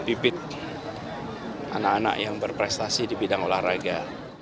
dan kita ingin mencari anak anak yang berprestasi di bidang olahraga